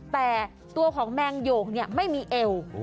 แต่ตัวของแมงโหงไม่มีเอว